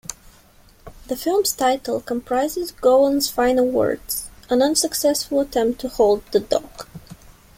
The film's title comprises Gowan's final words, an unsuccessful attempt to halt the dog.